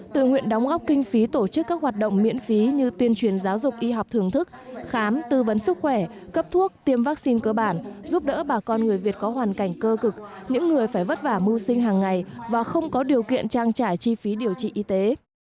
tự nguyện đóng góp kinh phí tổ chức các hoạt động miễn phí như tuyên truyền giáo dục y học thưởng thức khám tư vấn sức khỏe cấp thuốc tiêm vaccine cơ bản giúp đỡ bà con người việt có hoàn cảnh cơ cực những người phải vất vả mưu sinh hàng ngày và không có điều kiện trang trải chi phí điều trị y tế